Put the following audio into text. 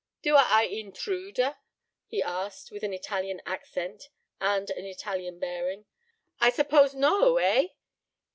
"Do a I eentrude?" he asked, with an Italian accent and an Italian bearing. "I suppose no, eh?